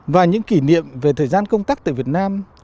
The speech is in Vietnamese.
và những kỷ niệm về thời gian công tác tại việt nam